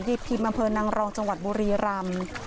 ยีดที่บรรเภอนางรองจังหวัดบุรีรำ